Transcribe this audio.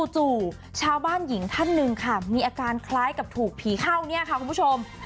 จู่ชาวบ้านหญิงท่านหนึ่งค่ะมีอาการคล้ายกับถูกผีเข้าเนี่ยค่ะคุณผู้ชม